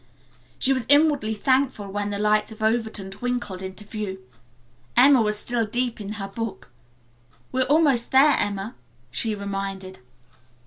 She was inwardly thankful when the lights of Overton twinkled into view. Emma was still deep in her book. "We are almost there, Emma," she reminded.